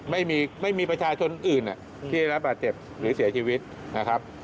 ไม่มีไม่มีประชาชนอื่นที่ได้รับบาดเจ็บหรือเสียชีวิตนะครับ